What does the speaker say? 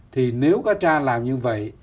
thì nếu cá tra làm như vậy